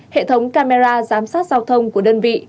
hệ thống camera giám sát giao thông của đơn vị